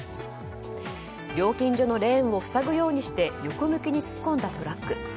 料金所のレーンを塞ぐようにして横向きに突っ込んだトラック。